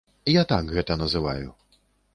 Я так гэта называю.